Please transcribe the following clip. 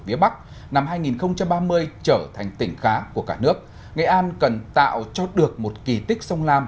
phía bắc năm hai nghìn ba mươi trở thành tỉnh khá của cả nước nghệ an cần tạo cho được một kỳ tích sông lam